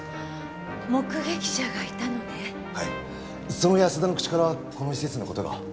その安田の口からこの施設の事が。